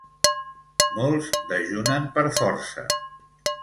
Molts dejunen per força.